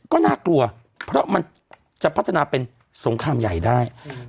ก็น่ากลัวเพราะมันจะพัฒนาเป็นสงครามใหญ่ได้